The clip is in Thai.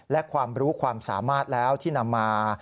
และความรู้ความสามารถแล้วที่นำมา